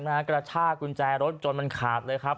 กระชากกุญแจรถจนมันขาดเลยครับ